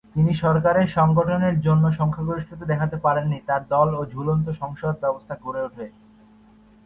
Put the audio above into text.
কিন্তু সরকার গঠনের জন্য সংখ্যাগরিষ্ঠতা দেখাতে পারেনি তার দল ও ঝুলন্ত সংসদ ব্যবস্থা গড়ে উঠে।